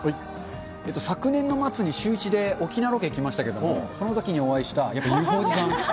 昨年の末にシューイチで沖縄ロケ行きましたけれども、そのときにお会いしたＵＦＯおじさん。